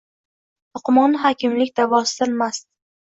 Luqmoni hakimlik da’vosidan mast